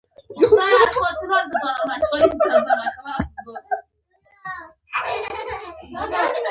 هغه اس ته اوبه نه ورکولې.